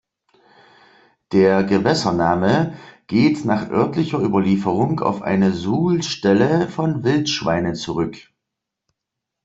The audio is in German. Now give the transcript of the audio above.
Der Gewässername geht nach örtlicher Überlieferung auf eine Suhl-Stelle von Wildschweinen zurück.